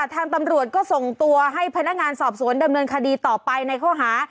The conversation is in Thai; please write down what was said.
ทางตำรวจก็ส่งตัวให้พนักงานสอบสวนดำเนินคดีต่อไปในข้อหา